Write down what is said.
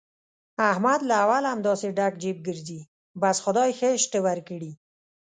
احمد له اوله همداسې ډک جېب ګرځي، بس خدای ښه شته ورکړي.